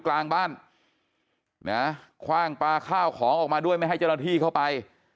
กลางบ้านนะคว่างปลาข้าวของออกมาด้วยไม่ให้เจ้าหน้าที่เข้าไป